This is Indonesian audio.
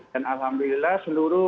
dan alhamdulillah seluruh